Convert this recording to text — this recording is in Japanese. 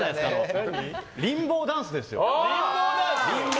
リンボーダンスですよ。